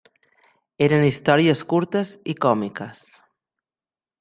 Eren històries curtes i còmiques.